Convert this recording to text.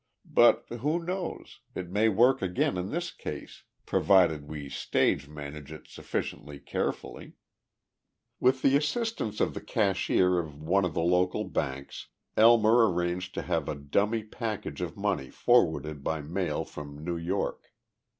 But, who knows, it may work again in this case provided we stage manage it sufficiently carefully." With the assistance of the cashier of one of the local banks Elmer arranged to have a dummy package of money forwarded by mail from New York.